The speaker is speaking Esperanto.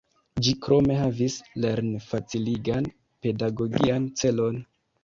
Ĝi krome havis lern-faciligan, pedagogian celon.